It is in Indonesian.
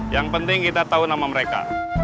yang penting kita tahu nama mereka